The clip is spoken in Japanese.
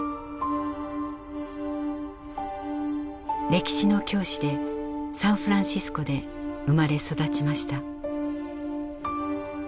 歴史の教師でサンフランシスコで生まれ育ちました。